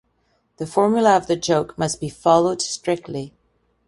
The formula of the joke must be followed strictly.